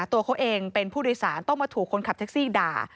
ตัวเขาเองเป็นผู้โดยสารต้องมาถูกคนขับแท็กซี่ด่า